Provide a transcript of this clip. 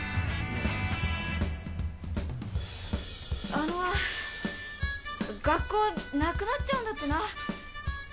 あの学校なくなっちゃうんだってな。